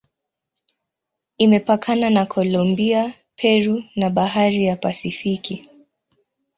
Imepakana na Kolombia, Peru na Bahari ya Pasifiki.